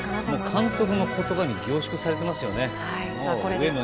監督の言葉に凝縮されてますよね。